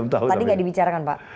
tadi nggak dibicarakan pak